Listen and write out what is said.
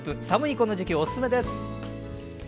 寒いこの時期、おすすめです。